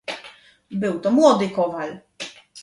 "Był to młody kowal..."